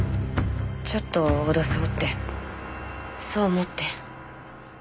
ちょっと脅そうってそう思って。